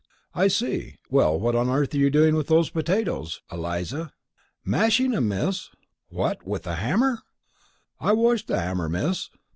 "I see. Well what on earth are you doing to those potatoes, Eliza?" "Mashing 'em, Miss." "What, with a hammer!" "I washed the 'ammer, Miss."